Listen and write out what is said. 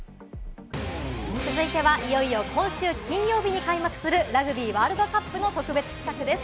続いてはいよいよ今週金曜日に開幕するラグビーワールドカップの特別企画です。